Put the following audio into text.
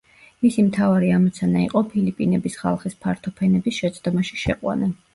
მისი მთავარი ამოცანა იყო ფილიპინების ხალხის ფართო ფენების შეცდომაში შეყვანა.